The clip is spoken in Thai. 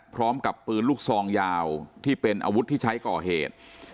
พร้อมกับปืนลูกซองยาวที่เป็นอาวุธที่ใช้ก่อเหตุ